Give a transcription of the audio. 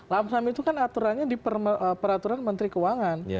lamsam itu kan aturannya di peraturan menteri keuangan